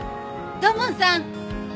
土門さん！